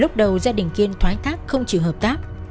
lúc đầu gia đình kiên thoái thác không chỉ hợp tác